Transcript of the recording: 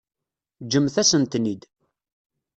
Ǧǧemt-asen-ten-id.